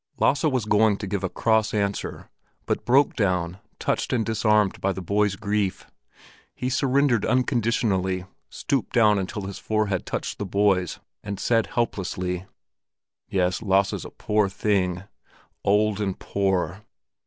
Lasse was going to give a cross answer, but broke down, touched and disarmed by the boy's grief. He surrendered unconditionally, stooped down until his forehead touched the boy's, and said helplessly, "Yes, Lasse's a poor thing—old and poor!